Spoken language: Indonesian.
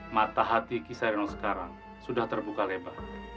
mata hati kisah renol sekarang sudah terbuka lebar